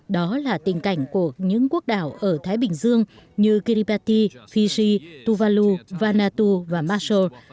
đó là tình cảnh của những quốc đảo ở thái bình dương như kiribati fiji tuvalu vanatu và maso